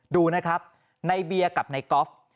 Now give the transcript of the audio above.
ดูนะครับในเบียร์กับในกอล์ฟ